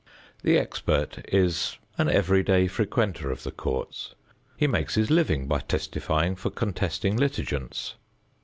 The expert is an every day frequenter of the courts; he makes his living by testifying for contesting litigants.